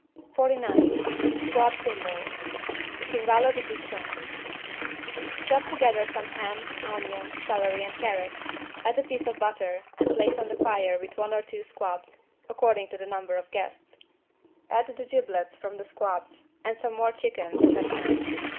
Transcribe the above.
49 SQUAB TIMBALE (Timballo di piccioni) Chop together some ham, onion, celery and carrot, add a piece of butter and place on the fire with one or two squabs, according to the number of guests. Add the giblets from the squabs and some more of chicken, if at hand.